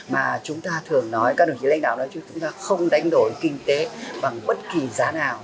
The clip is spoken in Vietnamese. mà chúng ta thường nói các đồng chí lãnh đạo nói chung chúng ta không đánh đổi kinh tế bằng bất kỳ giá nào